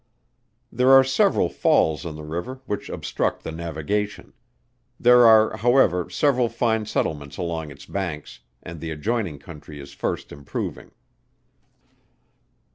There are several falls in the river, which obstruct the navigation. There are, however, several fine settlements along its banks, and the adjoining country is first improving.